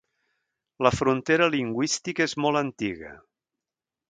La frontera lingüística és molt antiga.